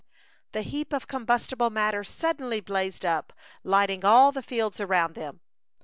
The heap of combustible matter suddenly blazed up, lighting all the fields around them.